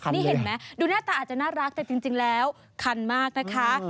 นี่เห็นไหมดูหน้าตาอาจจะน่ารักแต่จริงแล้วคันมากนะคะ